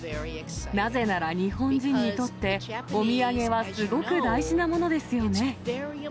なぜなら日本人にとって、お土産はすごく大事なものですよね。